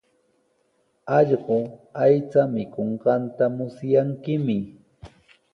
Allqu aycha mikunqanta musyankimi.